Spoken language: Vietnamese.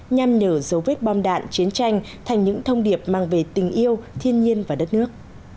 nhằm nở dấu vết bom đạn chiến tranh thành những thông điệp mang về tình yêu thiên nhiên và đất nước